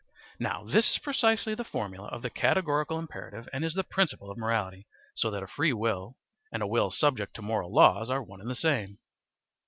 Now this is precisely the formula of the categorical imperative and is the principle of morality, so that a free will and a will subject to moral laws are one and the same.